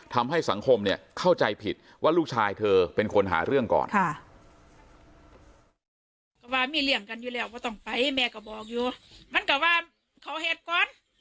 ทำให้สังคมเข้าใจผิดว่าลูกชายเธอเป็นคนหาเรื่องก่อน